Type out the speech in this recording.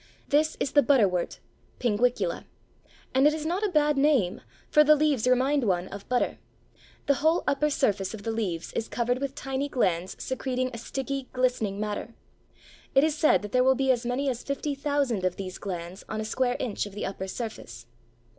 This is the Butterwort (Pinguicula), and it is not a bad name, for the leaves remind one of butter. The whole upper surface of the leaves is covered with tiny glands secreting a sticky, glistening matter. It is said that there will be as many as fifty thousand of these glands on a square inch of the upper surface.